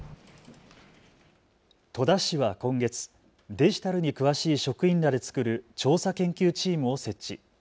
戸田市は今月、デジタルに詳しい職員らで作る調査研究チームを設置。